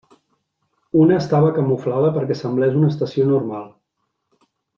Una estava camuflada perquè semblés una estació normal.